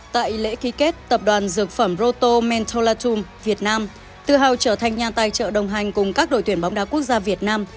tại lễ ký kết tập đoàn dược phẩm roto mentholatum việt nam tự hào trở thành nhà tài trợ đồng hành cùng các đội tuyển bóng đá quốc gia việt nam